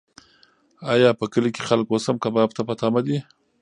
ایا په کلي کې خلک اوس هم کباب ته په تمه دي؟